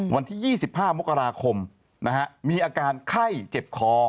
วันที่๒๕มกราคมมีอาการไข้เจ็บคอ